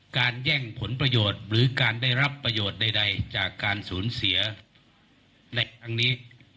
แย่งผลประโยชน์หรือการได้รับประโยชน์ใดจากการสูญเสียเหล็กอันนี้